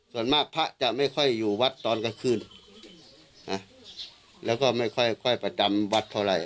ส่วนมากพระจะไม่ค่อยอยู่วัดตอนกลางคืนนะแล้วก็ไม่ค่อยประจำวัดเท่าไหร่